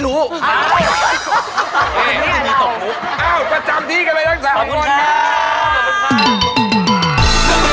เข้าใจมา